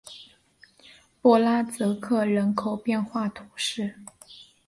博拉泽克人口变化图示